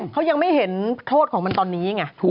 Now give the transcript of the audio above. เขายังไม่เห็นโทษของมันตอนนี้ไง